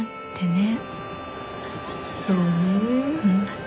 そうね。